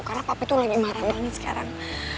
karena papi tuh lagi marah banget sekarang